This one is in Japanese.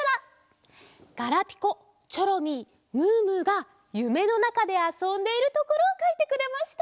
ガラピコチョロミームームーがゆめのなかであそんでいるところをかいてくれました。